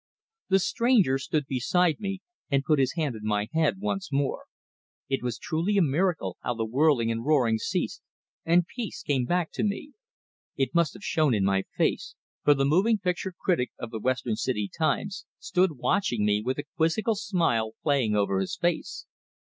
The stranger stood beside me, and put his hand on my head once more. It was truly a miracle, how the whirling and roaring ceased, and peace came back to me; it must have shown in my face, for the moving picture critic of the Western City "Times" stood watching me with a quizzical smile playing over his face.